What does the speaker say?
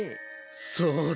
そうだ！